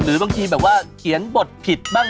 หรือบางทีแบบว่าเขียนบทผิดบ้าง